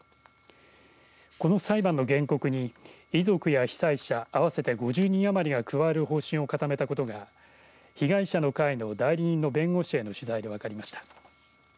この裁判の原告に遺族や被災者あわせて５０人余りが加わる方針を固めたことが被害者の会の代理人の弁護士への取材で分かりました。